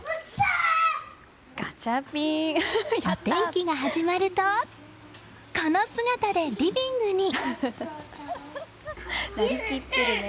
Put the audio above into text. お天気が始まるとこの姿でリビングに。